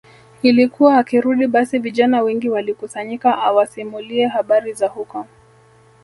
Ilikuwa akirudi basi vijana wengi walikusanyika awasimulie habari za huko